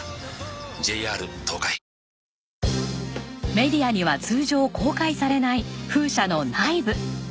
メディアには通常公開されない風車の内部。